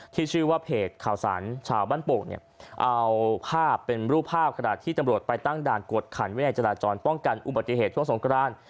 ที่ชื่อว่าเพจข่าวสารชาวบ้านโป่งเนี่ยเอาภาพเป็นรูปภาพขณะที่ตำรวจไปตั้งด่านกวดขันวินัยจราจรป้องกันอุบัติเหตุช่วงสงคราน